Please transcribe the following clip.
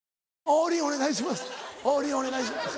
王林お願いします。